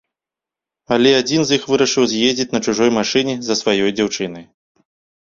Але адзін з іх вырашыў з'ездзіць на чужой машыне за сваёй дзяўчынай.